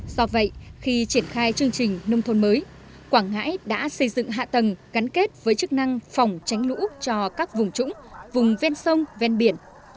do vậy khi triển khai chương trình nông thôn mới quảng ngãi đã xây dựng hạ tầng gắn kết với chức năng phòng tránh lũ cho các vùng trũng vùng ven sông ven biển